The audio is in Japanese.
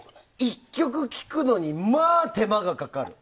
１曲聴くのにまあ、手間がかかる。